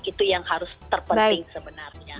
itu yang harus terpenting sebenarnya